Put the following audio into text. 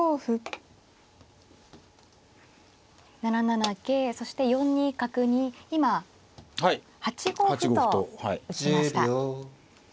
７七桂そして４二角に今８五歩と打ちました。